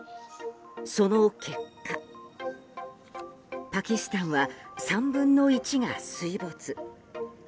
その結果、パキスタンは３分の１が水没。